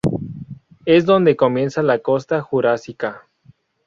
Es donde comienza la Costa Jurásica.